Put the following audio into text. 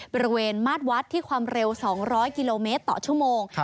บริเวณมาตรวัดที่ความเร็ว๒๐๐กิโลเมตรต่อชั่วโมง